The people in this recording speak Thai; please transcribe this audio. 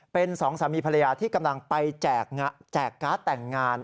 เป็นสองสามีภรรยาที่กำลังไปแจกการ์ดแต่งงาน